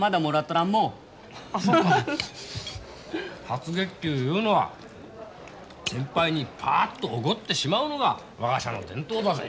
初月給いうのは先輩にパアッとおごってしまうのが我が社の伝統だぜ。